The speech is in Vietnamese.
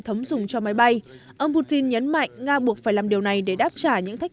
thấm dùng cho máy bay ông putin nhấn mạnh nga buộc phải làm điều này để đáp trả những thách